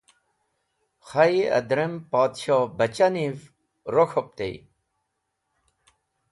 Khay, adrem podhshohbachah niv rok̃hopte.